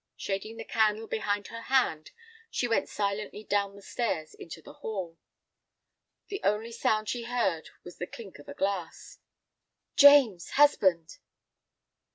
Shading the candle behind her hand, she went silently down the stairs into the hall. The only sound she heard was the clink of a glass. "James, husband!"